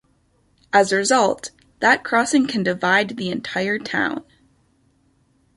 As a result, that crossing can divide the entire town.